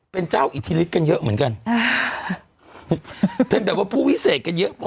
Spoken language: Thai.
เป็นเจ้าอิทธิฤทธิกันเยอะเหมือนกันอ่าเป็นแบบว่าผู้วิเศษกันเยอะพอ